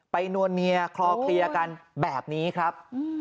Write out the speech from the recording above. นัวเนียคลอเคลียร์กันแบบนี้ครับ